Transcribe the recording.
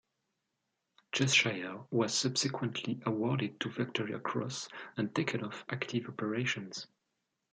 Cheshire was subsequently awarded the Victoria Cross and taken off active operations.